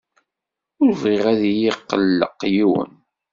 Ur bɣiɣ ad iyi-qelleq yiwen.